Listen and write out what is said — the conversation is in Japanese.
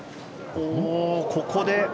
ここで。